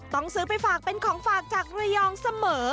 ต้องซื้อไปฝากเป็นของฝากจากระยองเสมอ